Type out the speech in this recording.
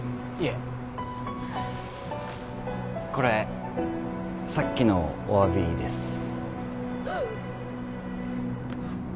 いえこれさっきのお詫びです